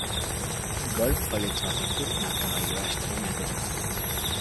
Gol polit batekin markagailua estreinatu du.